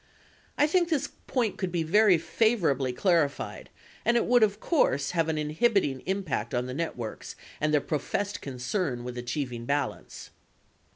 I think this point could be very favorably clarified and it would, of course, have an inhibiting impact on the networks and their professed con cern with achieving balance.